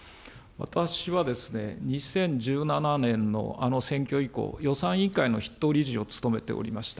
私は２０１７年のあの選挙以降、予算委員会の筆頭理事を務めておりました。